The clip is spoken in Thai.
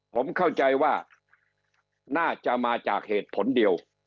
ผมเข้าใจว่าน่าจะมาจากเหตุผลเดียว